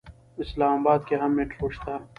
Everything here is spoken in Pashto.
اسلام اباد کې هم میټرو شته.